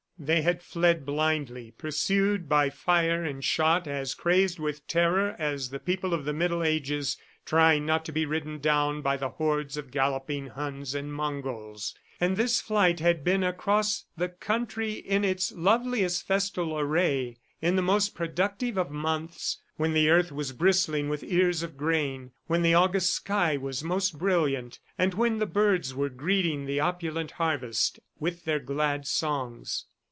They had fled blindly, pursued by fire and shot, as crazed with terror as the people of the middle ages trying not to be ridden down by the hordes of galloping Huns and Mongols. And this flight had been across the country in its loveliest festal array, in the most productive of months, when the earth was bristling with ears of grain, when the August sky was most brilliant, and when the birds were greeting the opulent harvest with their glad songs!